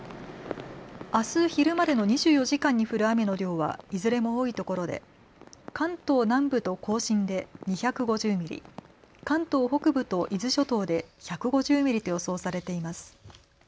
あす昼までの２４時間に降る雨の量はいずれも多いところで関東南部と甲信で２５０ミリ、関東北部と伊豆諸島で１５０ミリと予想されています。